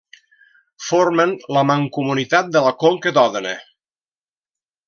Formen la Mancomunitat de la Conca d'Òdena.